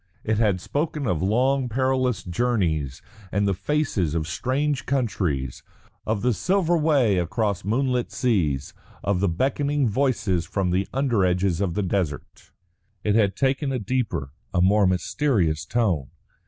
It had spoken of long perilous journeys and the faces of strange countries; of the silver way across moonlit seas; of the beckoning voices from the under edges of the desert. It had taken a deeper, a more mysterious tone.